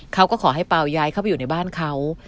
เขาก็ขอให้เปล่าย้ายเข้าไปอยู่ในบ้านเขา